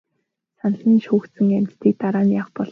Санал нь шүүгдсэн амьтдыг дараа нь яах бол?